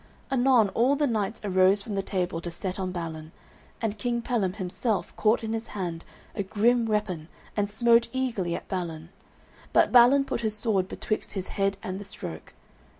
Anon all the knights arose from the table to set on Balin, and King Pellam himself caught in his hand a grim weapon and smote eagerly at Balin, but Balin put his sword betwixt his head and the stroke.